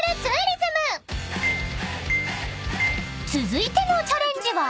［続いてのチャレンジは］